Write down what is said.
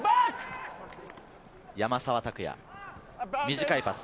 山沢拓也、短いパス。